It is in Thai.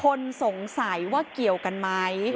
คนสงสัยว่าเกี่ยวกันไหม